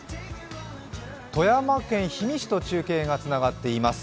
富山県氷見市と中継がつながっています。